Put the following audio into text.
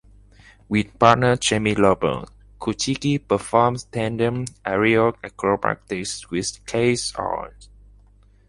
With partner Jamie Loper, Kuchiki performed tandem aerial acrobatics with skates on.